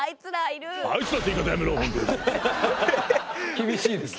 厳しいですね。